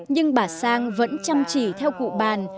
nhưng bà sang vẫn chăm chỉ theo cụ bàn